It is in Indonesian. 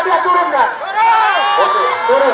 bibi itu sudah malam